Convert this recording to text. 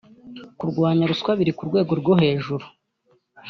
Kurwanya ruswa biri ku rwego rwo hejuru